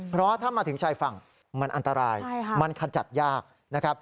เพราะถ้ามาถึงชายฝั่งมันอันตรายมันขจัดยากนะครับ